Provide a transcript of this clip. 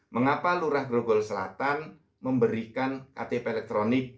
mengapa lurah grogol selatan memberikan ktp elektronik